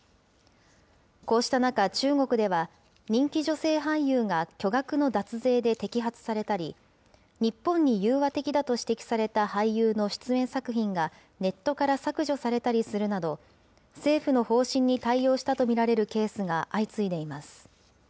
こうした中、中国では、人気女性俳優が巨額の脱税で摘発されたり、日本に融和的だと指摘された俳優の出演作品がネットから削除されたりするなど、政府の方針に対応したと見られるケースが相次いでいます。